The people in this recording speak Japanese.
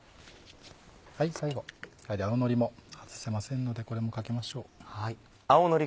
最後やはり青のりも外せませんのでこれもかけましょう。